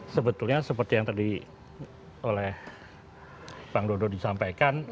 sebetulnya seperti yang tadi oleh bang dodo disampaikan